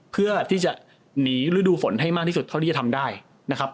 เพื่อที่จะหนีฤดูฝนให้มากที่สุดเท่าที่จะทำได้นะครับ